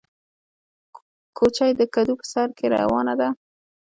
کوچۍ د کډو په سر کې روانه ده